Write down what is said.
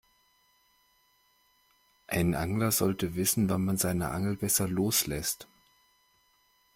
Ein Angler sollte wissen, wann man seine Angel besser loslässt.